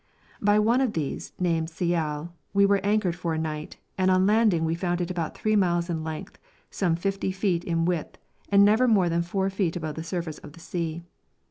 By one of these, named Siyal, we were anchored for a night, and on landing we found it about three miles in length, some 50 feet in width, and never more than 4 feet above the surface of the sea.